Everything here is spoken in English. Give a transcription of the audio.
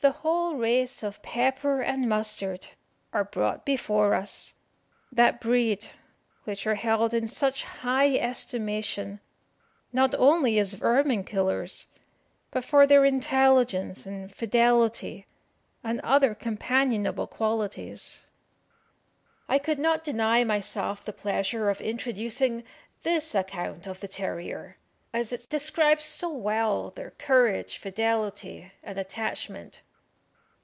The whole race of pepper and mustard are brought before us that breed which are held in such high estimation, not only as vermin killers, but for their intelligence and fidelity, and other companionable qualities. I could not deny myself the pleasure of introducing this account of the terrier, as it describes so well their courage, fidelity, and attachment.